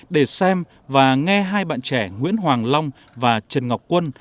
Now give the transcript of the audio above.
để xem và nghe hai bạn trẻ nguyễn hoàng long và trần ngọc quân